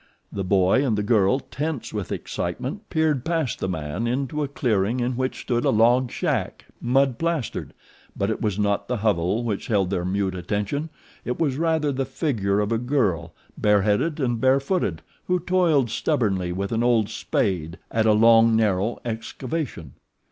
The boy and the girl, tense with excitement, peered past the man into a clearing in which stood a log shack, mud plastered; but it was not the hovel which held their mute attention it was rather the figure of a girl, bare headed and bare footed, who toiled stubbornly with an old spade at a long, narrow excavation.